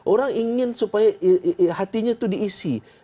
orang ingin supaya hatinya itu diisi